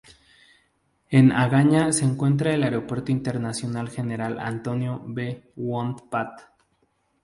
En Agaña se encuentra el Aeropuerto Internacional General Antonio B. Won Pat.